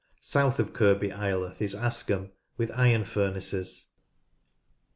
South of Kirkby Ireleth is Askham, with iron furnaces, (pp.